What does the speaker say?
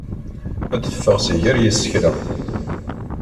Ad d-teffeɣ si gar yisekla.